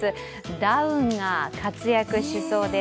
ダウンが活躍しそうです。